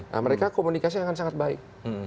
nah mereka komunikasi akan sangat baik